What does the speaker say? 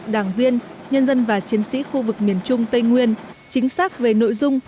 đảng viên nhân dân và chiến sĩ khu vực miền trung tây nguyên chính xác về nội dung